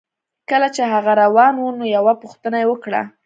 کله چې هغه روان و نو یوه پوښتنه یې وکړه